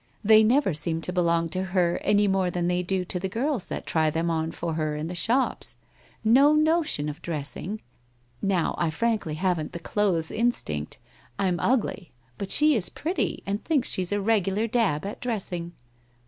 They never seem to belong to her any more than they do to the girls that try them on for her to see in the shops. No notion of dressing. Now, I frankly haven't the clothes instinct ; I'm ugly, but she is pretty, and thinks she's a regular dab at dressing.'